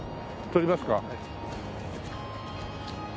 撮りますか。